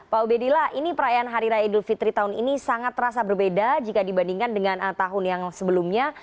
pak ubedillah ini perayaan hari raya idul fitri tahun ini sangat terasa berbeda jika dibandingkan dengan tahun yang sebelumnya